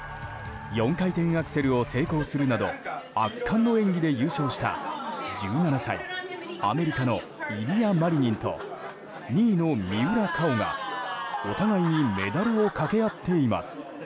４回転アクセルを成功するなど圧巻の演技で優勝した１７歳、アメリカのイリア・マリニンと２位の三浦佳生が、お互いにメダルを掛け合っています。